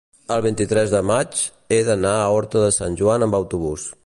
el vint-i-tres de maig he d'anar a Horta de Sant Joan amb autobús.